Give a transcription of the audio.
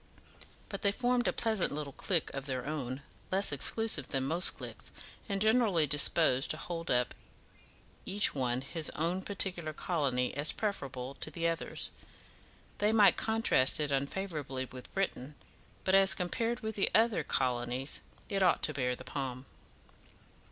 But they formed a pleasant little clique of their own, less exclusive than most cliques, and generally disposed to hold up each one his own particular colony as preferable to the others. They might contrast it unfavourably with Britain, but as compared with the other colonies, it ought to bear the palm.